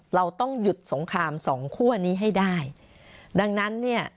เราต้องหยุดสงครามสองคั่วนี้ให้ได้ดังนั้นเนี่ย